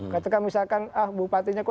ketika misalkan ah bupatinya kok